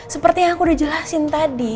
seperti yang aku udah jelasin tadi